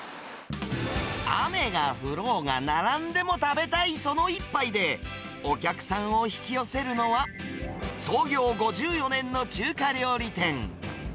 雨が降ろうが、並んでも食べたいその一杯で、お客さんを引き寄せるのは、創業５４年の中華料理店。